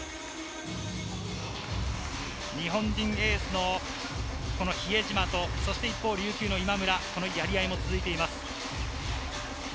日本人エースの比江島と、一方、琉球の今村、このやり合いも続いています。